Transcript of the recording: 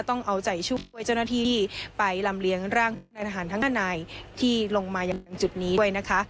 ต้องเอาใจช่วยเจ้าหน้าที่ไปลำเลี้ยงร่างนายทหารทั้ง๕นายที่ลงมายังตรงจุดนี้ด้วยนะคะ